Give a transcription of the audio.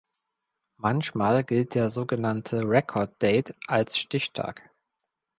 Manchmal gilt der sogenannte Record date als Stichtag.